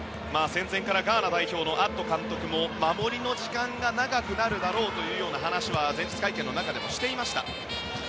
戦前からガーナ代表のアッド監督も守りの時間が長くなるだろうという話は前日会見の中でもしていました。